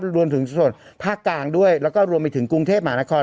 รวมถึงส่วนภาคกลางด้วยแล้วก็รวมไปถึงกรุงเทพหมานคร